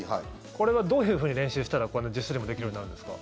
これはどういうふうに練習したらこんな１０種類もできるようになるんですか？